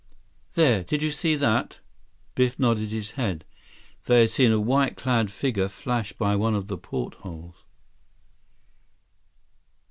"There, did you see that!" Biff nodded his head. They had seen a white clad figure flash by one of the portholes.